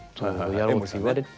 やろうって言われて。